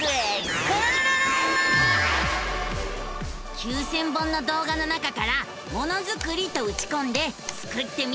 ９，０００本の動画の中から「ものづくり」とうちこんでスクってみるのさ！